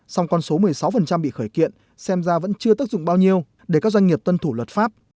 song con số một mươi sáu bị khởi kiện xem ra vẫn chưa tác dụng bao nhiêu để các doanh nghiệp tuân thủ luật pháp